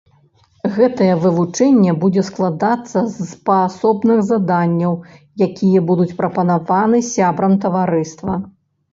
Гэтае вывучэнне будзе складацца з паасобных заданняў, якія будуць прапанаваны сябрам таварыства.